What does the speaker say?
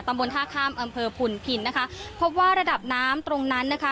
บนท่าข้ามอำเภอผุนพินนะคะพบว่าระดับน้ำตรงนั้นนะคะ